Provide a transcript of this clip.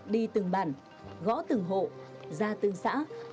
đi từng bản gõ từng hộ ra từng xã